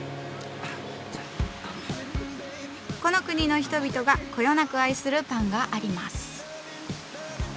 この国の人々がこよなく愛するパンがあります。